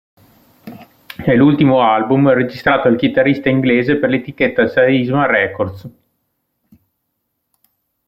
È l'ultimo album registrato dal chitarrista inglese per l'etichetta Charisma Records.